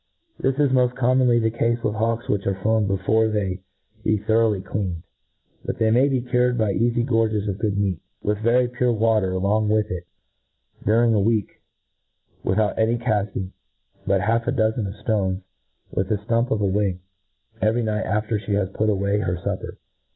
This is moft commonly the cafe with hawks which are flown before they be thoroughly cleaned* But they may be cured by cafy gorges of good m^at, with very pure water along with it^ during a.weejt, without any cart ing, but half a dozen of ftones, with the ftump of awing^ every night after flip has put. away her fupper.